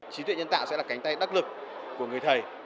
trí tuệ nhân tạo sẽ là cánh tay đắc lực của người thầy